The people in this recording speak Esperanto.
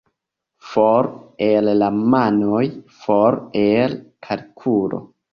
For el la manoj — for el kalkulo.